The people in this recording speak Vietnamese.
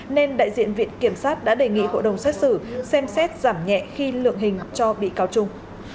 nên đại diện viện kiểm sát đã đề nghị hội đồng xét xử xem xét giảm nhẹ khi lượng hình cho bị cáo trung